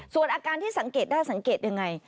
ส่วนอาการที่สังเกตได้สังเกตยังไง